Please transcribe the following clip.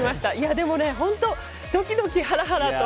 でも本当ドキドキハラハラと。